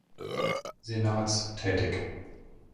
Senats tätig.